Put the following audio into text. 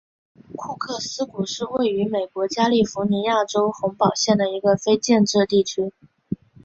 库克斯谷是位于美国加利福尼亚州洪堡县的一个非建制地区。